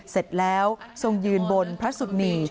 เสร็จแล้วทรงยืนบนพระสุนี